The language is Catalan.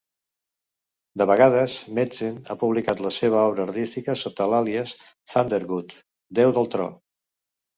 De vegades, Metzen ha publicat la seva obra artística sota l'àlies Thundergod (déu del tro).